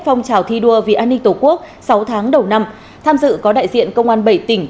phong trào thi đua vì an ninh tổ quốc sáu tháng đầu năm tham dự có đại diện công an bảy tỉnh